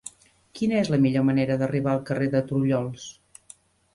Quina és la millor manera d'arribar al carrer de Trullols?